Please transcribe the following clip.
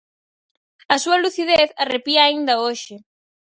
A súa lucidez arrepía aínda hoxe.